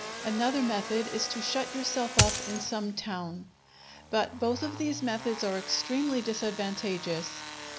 Another method is to shut yourself up in some town. But both of these methods are extremely disadvantageous.